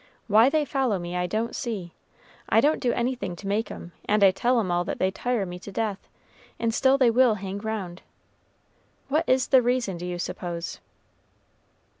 "Why they follow me, I don't see. I don't do anything to make 'em, and I tell 'em all that they tire me to death; and still they will hang round. What is the reason, do you suppose?"